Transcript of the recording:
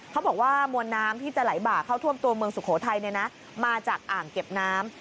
เขาบอกว่ามวลน้ำที่จะไหลบ่าเข้าท่วมตัวเมืองสุโขทัยมาจากอ่างเก็บน้ำ